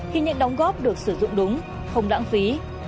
khi những đóng góp được sử dụng đúng không lãng phí